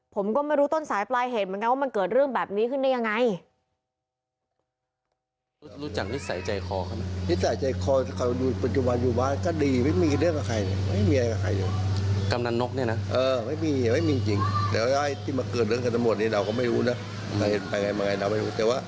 ผมก็ไม่รู้ต้นสายปลายเหตุเหมือนกันว่ามันเกิดเรื่องแบบนี้ขึ้นได้ยังไง